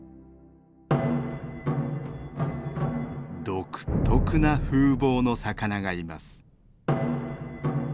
独特な風貌の魚がいます。